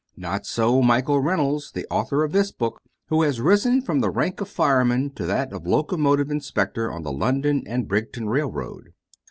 Not so Michael Reynolds, the author of this book, who has risen from the rank of fireman to that of locomotive inspector on the London and Brighton railroad.